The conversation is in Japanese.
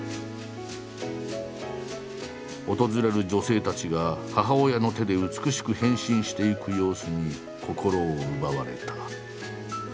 訪れる女性たちが母親の手で美しく変身していく様子に心を奪われた。